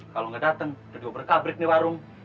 kalo gak dateng berdua berkabrit nih warung